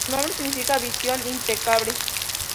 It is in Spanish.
Su nombre significa "Visión Impecable".